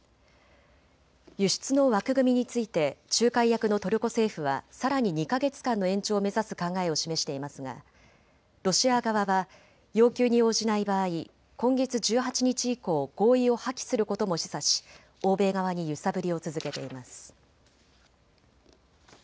輸出の枠組みについて仲介役のトルコ政府はさらに２か月間の延長を目指す考えを示していますがロシア側は要求に応じない場合、今月１８日以降、合意を破棄することも示唆し欧米側に揺さぶりを続けています。